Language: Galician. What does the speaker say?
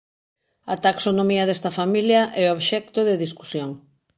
A taxonomía desta familia é obxecto de discusión.